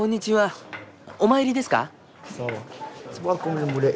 お参りですか？